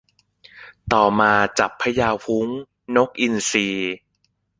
ต่อมาจับพญาฮุ้ง นกอินทรีย์